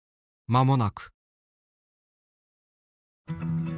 まもなく。